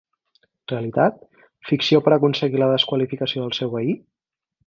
Realitat, ficció per aconseguir la desqualificació del seu veí?